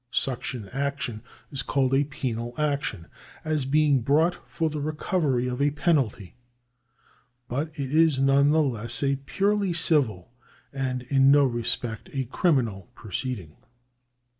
Such an action is called a penal action, as being brought for the recovery of a penalty. But it is none the less a purely civil, and in no respect a criminal proceeding.